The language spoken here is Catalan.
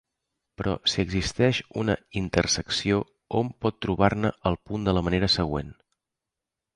Però si existeix una intersecció, hom pot trobar-ne el punt de la manera següent.